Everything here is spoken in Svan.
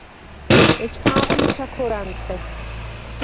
ეჩქანღო მიჩა ქორ ა̈ნთხე.